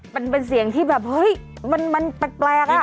เป็นเสียงที่แบบเฮ้ยมันแปลกอ่ะ